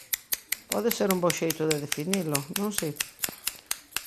Pode ser un bo xeito de definilo, non si?